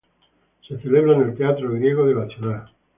Se celebra en el Teatro Griego de la Ciudad.